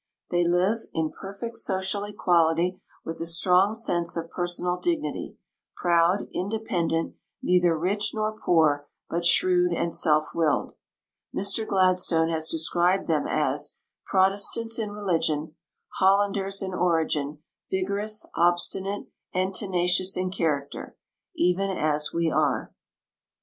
They live in perfect social equality, with a strong sense of personal dignity — ])roud, independent, neither rich nor poor, but shrewd and self willed. Mr Glad.stone has described them as " Protestants in religion, Hollanders in origin, vigorous, obstinate, and tenacious in character, even as we are."